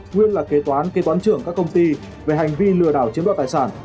nguyên là kế toán kế toán trưởng các công ty về hành vi lừa đảo chiếm đoạt tài sản